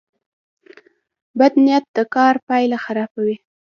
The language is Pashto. بد نیت د کار پایله خرابوي.